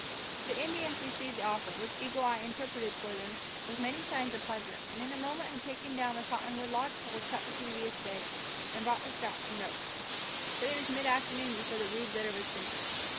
The Indians received the offer, which Eagle Eye interpreted for them, with many signs of pleasure; and in a moment had taken down the cottonwood lodge poles cut the previous day, and brought straps and ropes. But it was mid afternoon before the rude litter was finished.